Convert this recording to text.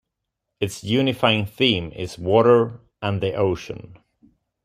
Its unifying theme is water and the ocean.